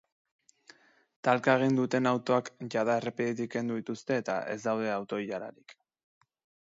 Talka egin duten autoak jada errepidetik kendu dituzte eta ez daude auto-ilararik.